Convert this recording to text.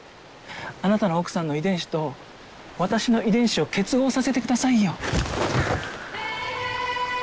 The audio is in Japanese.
あなたの奥さんの遺伝子と私の遺伝子を結合させてくださいよ。